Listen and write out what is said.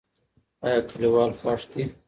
ایا کلیوال خوښ دي؟